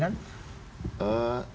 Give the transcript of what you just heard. dalam hal pencapresan